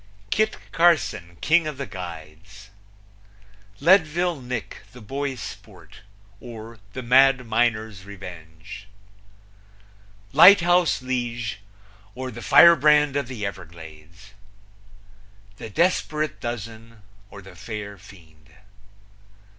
Kit Carson, King of the Guides. Leadville Nick, the Boy Sport; or, The Mad Miner's Revenge. Lighthouse Lige; or, The Firebrand of the Everglades. The Desperate Dozen; or, The Fair Fiend.